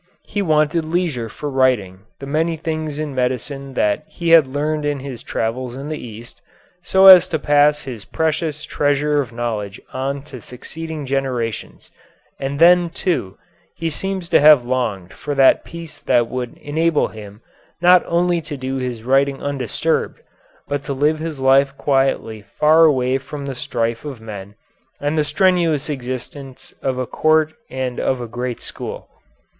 He wanted leisure for writing the many things in medicine that he had learned in his travels in the East, so as to pass his precious treasure of knowledge on to succeeding generations; and then, too, he seems to have longed for that peace that would enable him not only to do his writing undisturbed, but to live his life quietly far away from the strife of men and the strenuous existence of a court and of a great school.